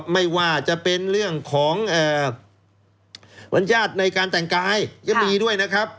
ไม่ว่าจะเป็นเรื่องของบรรยาทในการแต่งกายก็มีด้วยนะครับ